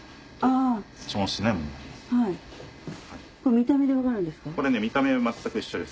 見た目で分かるんですか？